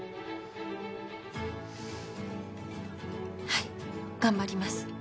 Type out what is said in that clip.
はい頑張ります。